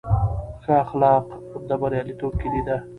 ښه اخلاق د بریالیتوب کیلي ده.